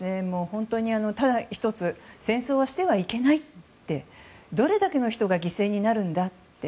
本当にただ１つ戦争はしてはいけないってどれだけの人が犠牲になるんだって。